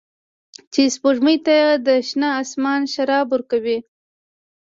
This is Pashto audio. چې سپوږمۍ ته د شنه اسمان شراب ورکوي